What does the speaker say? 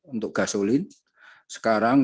untuk gasolin sekarang